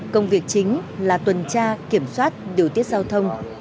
công việc chính là tuần tra kiểm soát điều tiết giao thông